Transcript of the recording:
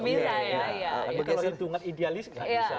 kalau dihitung idealis tidak bisa